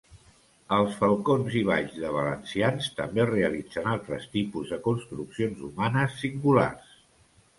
Els falcons i balls de valencians també realitzen altres tipus de construccions humanes singulars.